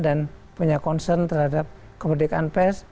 dan punya concern terhadap kemerdekaan ps